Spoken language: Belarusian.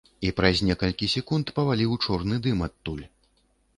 І праз некалькі секунд паваліў чорны дым адтуль.